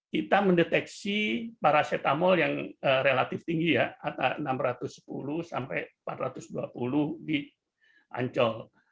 kita mendeteksi paracetamol yang relatif tinggi ya enam ratus sepuluh sampai empat ratus dua puluh di ancol